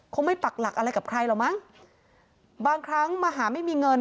คงไม่ปักหลักอะไรกับใครหรอกมั้งบางครั้งมาหาไม่มีเงิน